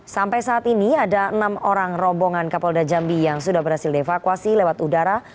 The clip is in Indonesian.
sampai saat ini ada enam orang rombongan kapolda jambi yang sudah berhasil dievakuasi lewat udara